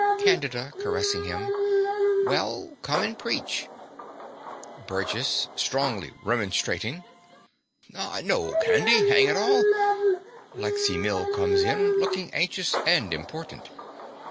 CANDIDA (caressing him). Well, come and preach. BURGESS (strongly remonstrating). Aw, no, Candy. 'Ang it all! (Lexy Mill comes in, looking anxious and important.)